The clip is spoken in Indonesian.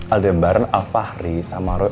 aldebaran al fahri sama roy